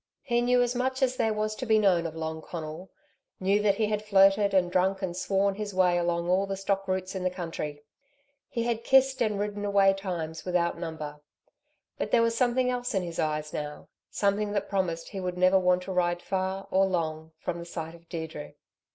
He knew as much as there was to be known of Long Conal, knew that he had flirted and drunk and sworn his way along all the stock routes in the country. He had kissed and ridden away times without number. But there was something else in his eyes now, something that promised he would never want to ride far, or long, from the sight of Deirdre.